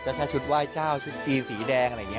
ถ้าชุดไหว้เจ้าชุดจีนสีแดงอะไรอย่างนี้